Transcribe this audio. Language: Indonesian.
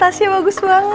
aku seneng juga sih hawasnya